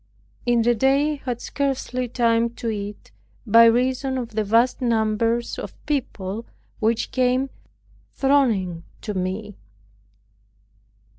In the day I had scarcely time to eat, by reason of the vast numbers of people which came thronging to me.